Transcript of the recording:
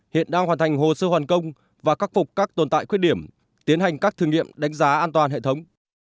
hiện đang hoàn thành hồ sơ hoàn công và khắc phục các tồn tại khuyết điểm tiến hành các thử nghiệm đánh giá an toàn hệ thống